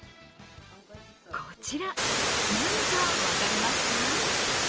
こちら、何か分かりますか？